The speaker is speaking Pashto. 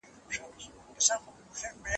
لا لرګي پر کوناټو پر اوږو خورمه